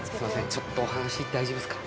ちょっとお話大丈夫ですか？